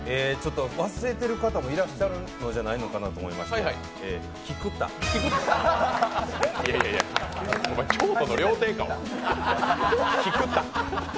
忘れてる方もいらっしゃるのじゃないかなと思いましていやいや、お前、京都の料亭か。